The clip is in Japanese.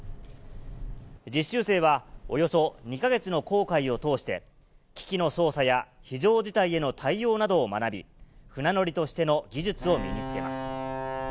実習生はおよそ２か月の航海を通して、機器の操作や非常事態への対応などを学び、船乗りとしての技術を身につけます。